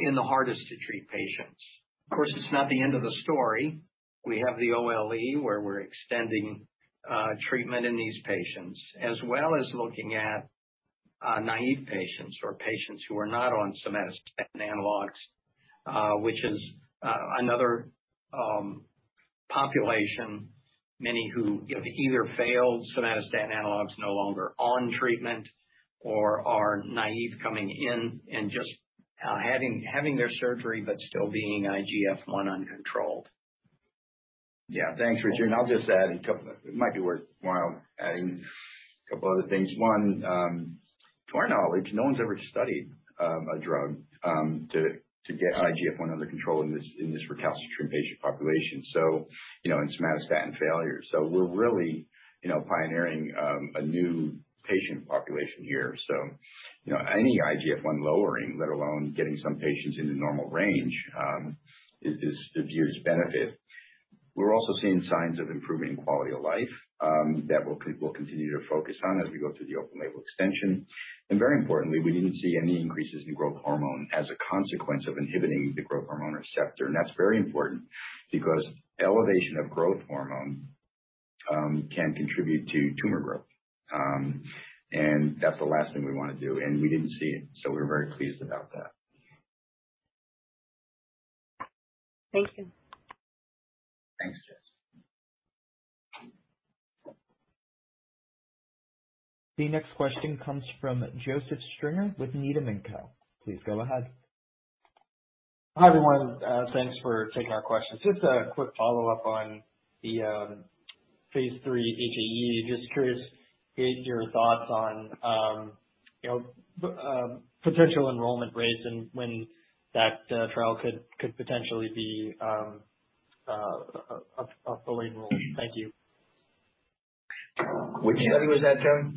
in the hardest to treat patients. Of course, it's not the end of the story. We have the OLE where we're extending treatment in these patients, as well as looking at naive patients or patients who are not on somatostatin analogs, which is another population, many who have either failed somatostatin analogs, no longer on treatment or are naive coming in and just having their surgery but still being IGF-I uncontrolled. Yeah. Thanks, Richard. I'll just add a couple. It might be worthwhile adding a couple other things. One, to our knowledge, no one's ever studied a drug to get IGF-I under control in this recalcitrant patient population. You know, in somatostatin failure. We're really you know, pioneering a new patient population here. You know, any IGF-I lowering, let alone getting some patients into normal range is a huge benefit. We're also seeing signs of improving quality of life that we'll continue to focus on as we go through the open-label extension. Very importantly, we didn't see any increases in growth hormone as a consequence of inhibiting the growth hormone receptor. That's very important because elevation of growth hormone can contribute to tumor growth. That's the last thing we wanna do, and we didn't see it. We're very pleased about that. Thank you. Thanks, Jess. The next question comes from Joseph Stringer with Needham & Company. Please go ahead. Hi, everyone. Thanks for taking our questions. Just a quick follow-up on the phase III HAE. Just curious, gauge your thoughts on potential enrollment rates and when that trial could potentially be fully enrolled. Thank you. Which study was that, Joe?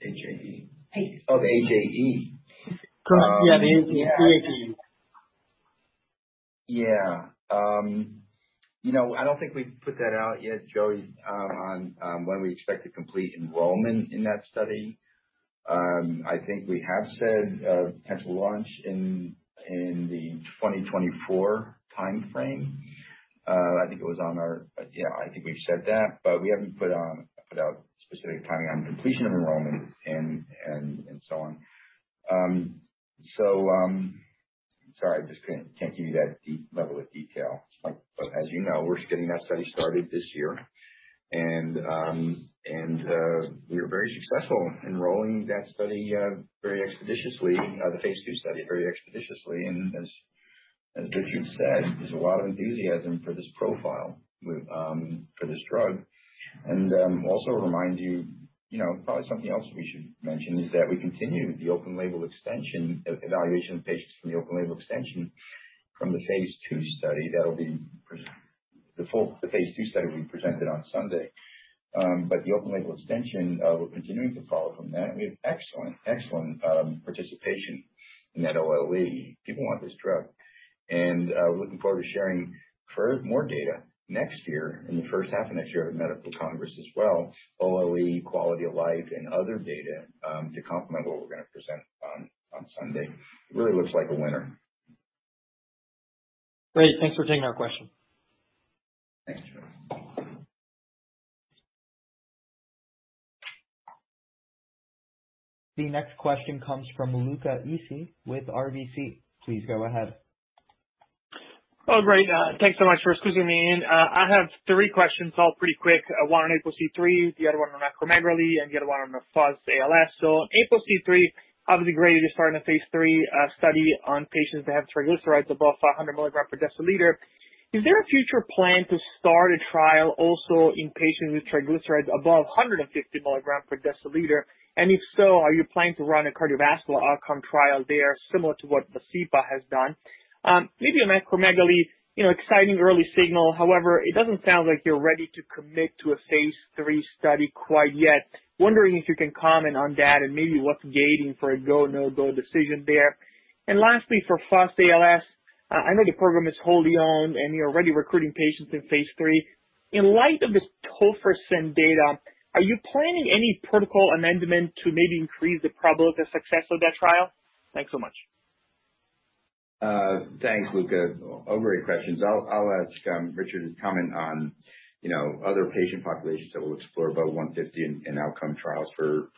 HAE. Oh, the HAE? Correct. Yeah, the HAE. Yeah. You know, I don't think we've put that out yet, Joey, on when we expect to complete enrollment in that study. I think we have said a potential launch in the 2024 timeframe. I think we've said that, but we haven't put out specific timing on completion of enrollment and so on. So, sorry, I just can't give you that level of detail. Like, as you know, we're just getting that study started this year. We were very successful enrolling that study very expeditiously, the phase II study, very expeditiously. As Richard said, there's a lot of enthusiasm for this profile with for this drug. also remind you know, probably something else we should mention is that we continue the open label extension, evaluation of patients from the open label extension from the phase II study. The phase II study will be presented on Sunday. The open label extension, we're continuing to follow from that. We have excellent participation in that OLE. People want this drug. We're looking forward to sharing more data next year, in the first half of next year at a medical congress as well. OLE, quality of life, and other data to complement what we're gonna present on Sunday. It really looks like a winner. Great. Thanks for taking our question. Thanks, Joe. The next question comes from Luca Issi with RBC. Please go ahead. Oh, great. Thanks so much for squeezing me in. I have three questions, all pretty quick. One on APOC3, the other one on acromegaly, and the other one on the FUS-ALS. On APOC3, obviously great you're starting a phase III study on patients that have triglycerides above 500 mg per deciliter. Is there a future plan to start a trial also in patients with triglycerides above 150 mg per deciliter? And if so, are you planning to run a cardiovascular outcome trial there, similar to what VASCEPA has done? Maybe on acromegaly, you know, exciting early signal. However, it doesn't sound like you're ready to commit to a phase III study quite yet. Wondering if you can comment on that and maybe what's gating for a go, no go decision there. Lastly, for FUS-ALS, I know the program is wholly owned, and you're already recruiting patients in phase III. In light of this tofersen data, are you planning any protocol amendment to maybe increase the probability of success of that trial? Thanks so much. Thanks, Luca. All great questions. I'll ask Richard to comment on, you know, other patient populations that we'll explore above 150 in outcome trials for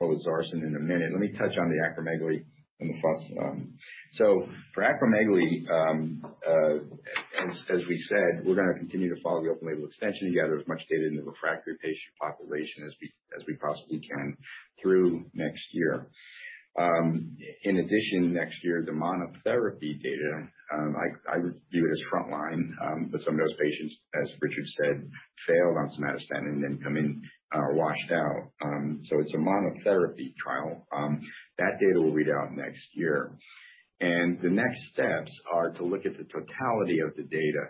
pelacarsen in a minute. Let me touch on the acromegaly and the FUS. So for acromegaly, as we said, we're gonna continue to follow the open-label extension to gather as much data in the refractory patient population as we possibly can through next year. In addition, next year, the monotherapy data, I would view it as frontline for some of those patients, as Richard said, failed on somatostatin and then come in, washed out. So it's a monotherapy trial. That data will read out next year. The next steps are to look at the totality of the data,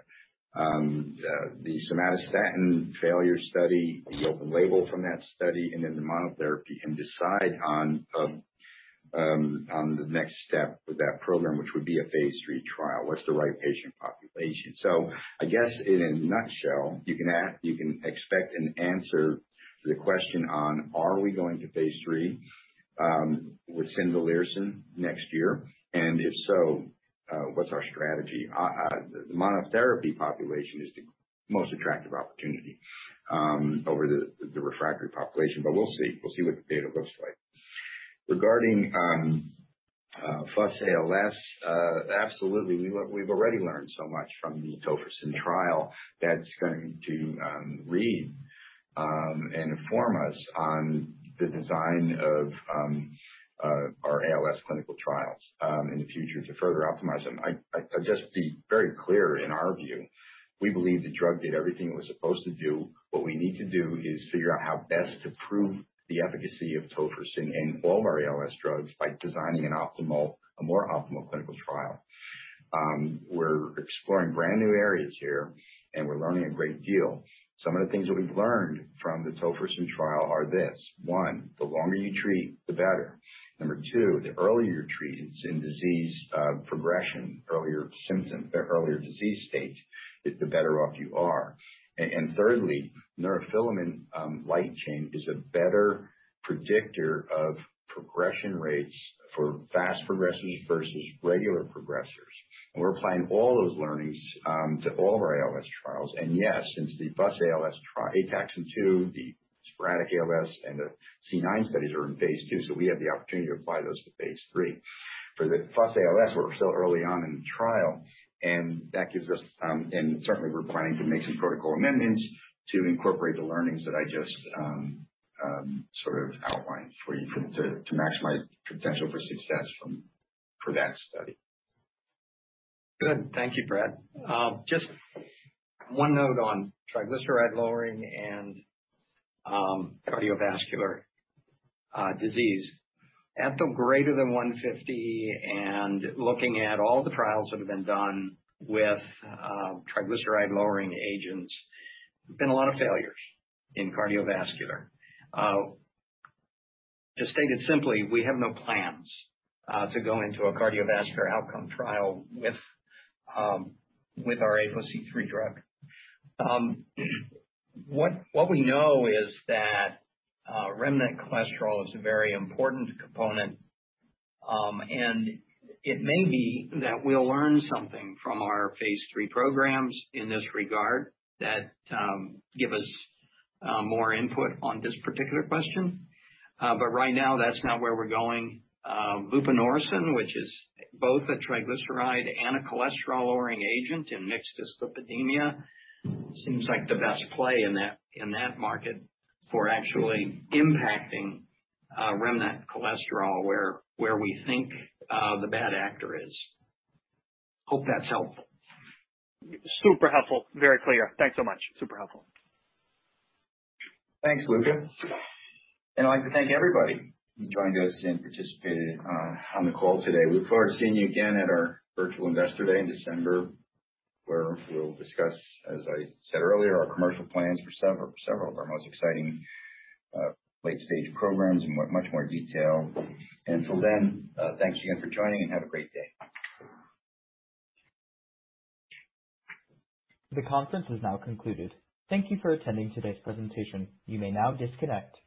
the somatostatin failure study, the open label from that study, and then the monotherapy, and decide on the next step with that program, which would be a phase III trial. What's the right patient population? I guess in a nutshell, you can expect an answer to the question on are we going to phase III with cimdelirsen next year, and if so, what's our strategy? The monotherapy population is the most attractive opportunity over the refractory population, but we'll see. We'll see what the data looks like. Regarding FUS-ALS, absolutely. We've already learned so much from the tofersen trial that's going to aid and inform us on the design of our ALS clinical trials in the future to further optimize them. I'll just be very clear, in our view, we believe the drug did everything it was supposed to do. What we need to do is figure out how best to prove the efficacy of tofersen and all of our ALS drugs by designing a more optimal clinical trial. We're exploring brand new areas here, and we're learning a great deal. Some of the things that we've learned from the tofersen trial are this. One, the longer you treat, the better. Number two, the earlier you treat in disease progression, earlier symptom or earlier disease state, the better off you are. Thirdly, neurofilament light chain is a better predictor of progression rates for fast progressors versus regular progressors. We're applying all those learnings to all of our ALS trials. Yes, since the FUS-ALS, ATAXIN-2, the sporadic ALS and the C9 studies are in phase II, so we have the opportunity to apply those to phase III. For the FUS-ALS, we're still early on in the trial, and that gives us and certainly we're planning to make some protocol amendments to incorporate the learnings that I just sort of outlined for you to maximize potential for success for that study. Good. Thank you, Brett. Just one note on triglyceride lowering and cardiovascular disease. APOC3 greater than 150, and looking at all the trials that have been done with triglyceride-lowering agents, there's been a lot of failures in cardiovascular. Just stated simply, we have no plans to go into a cardiovascular outcome trial with our APOC3 drug. What we know is that remnant cholesterol is a very important component. It may be that we'll learn something from our phase III programs in this regard that give us more input on this particular question. Right now, that's not where we're going. Vupanorsen, which is both a triglyceride and a cholesterol-lowering agent in mixed dyslipidemia, seems like the best play in that, in that market for actually impacting remnant cholesterol where we think the bad actor is. Hope that's helpful. Super helpful. Very clear. Thanks so much. Super helpful. Thanks, Luca. I'd like to thank everybody who joined us and participated on the call today. We look forward to seeing you again at our virtual investor day in December, where we'll discuss, as I said earlier, our commercial plans for several of our most exciting late-stage programs in much more detail. Until then, thanks again for joining, and have a great day. The conference is now concluded. Thank you for attending today's presentation. You may now disconnect.